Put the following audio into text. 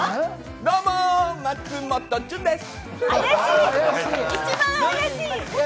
どうもー、松本潤です！